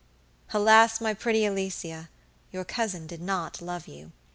Alas, my pretty Alicia, your cousin did not love you!